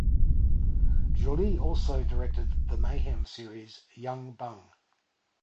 Jollee also directed the Mayhem series "Young Bung".